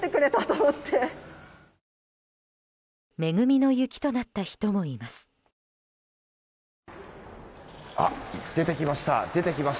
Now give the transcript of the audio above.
恵みの雪となった人もいます。